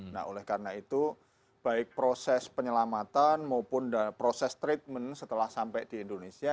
nah oleh karena itu baik proses penyelamatan maupun proses treatment setelah sampai di indonesia